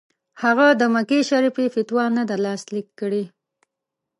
هغه د مکې شریف فتوا نه ده لاسلیک کړې.